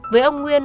với ông nguyên